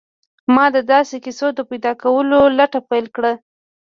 ما د داسې کیسو د پیدا کولو لټه پیل کړه